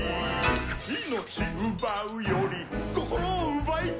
「命奪うより心を奪いたいんだ」